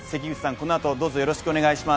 このあとよろしくお願いします